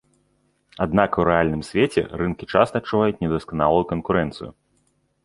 Аднак у рэальным свеце, рынкі часта адчуваюць недасканалую канкурэнцыю.